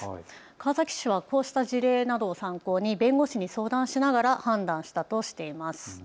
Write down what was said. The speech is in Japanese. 川崎市はこうした事例などを参考に弁護士に相談しながら判断したとしています。